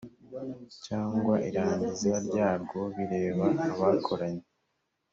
cyangwa irangizwa ryarwo bireba abakoranye